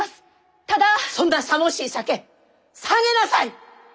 そんなさもしい酒下げなさい！